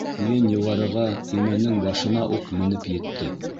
Тейен юғарыға, имәндең башына уҡ, менеп етте.